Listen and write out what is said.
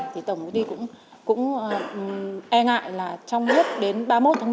thì tổng công ty cũng e ngại là trong nhất đến ba mươi một tháng một mươi hai hai nghìn một mươi chín